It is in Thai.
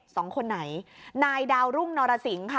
สองคนไหนนายดาวรุ่งนรสิงค่ะ